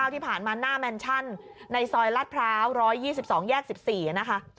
ที่ผ่านมาหน้าแมนชั่นในซอยลาดพร้าว๑๒๒แยก๑๔นะคะ